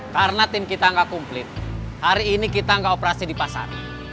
karena tim kita enggak kumplit hari ini kita enggak operasi di pasar